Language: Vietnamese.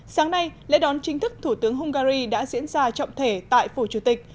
sáng nay lễ đón chính thức thủ tướng hungary đã diễn ra trọng thể tại phủ chủ tịch